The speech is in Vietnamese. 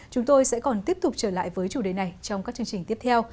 chúng tôi sẽ còn tiếp tục trở lại với chủ đề này trong các chương trình tiếp theo